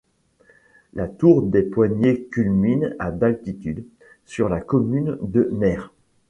La Tour des Poignets culmine à d'altitude, sur la commune de Mayres.